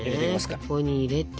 ここに入れて。